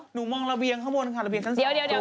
หนูมองระเบียงข้างบนค่ะระเบียงชั้น๒